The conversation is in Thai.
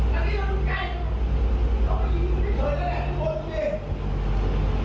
และนี่ลูกใกล้ข้าวบ้านยาพีมีคนไม่เคยแล้วแหละทุกคนที่นี่